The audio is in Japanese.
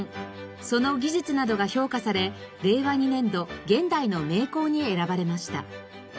その技術などが評価され令和２年度現代の名工に選ばれました。